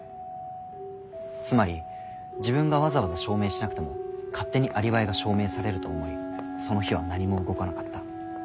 つまり自分がわざわざ証明しなくても勝手にアリバイが証明されると思いその日は何も動かなかった。